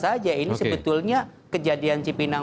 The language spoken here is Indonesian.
bagaimana dipersekusi oleh masyarakat itu kan bagian dari persekusi